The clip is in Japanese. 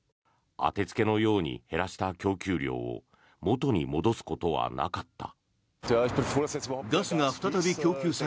当てつけのように減らした供給量を元に戻すことはなかった。